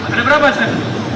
ada berapa sen